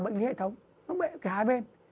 bệnh lý hệ thống nó bị cái hai bên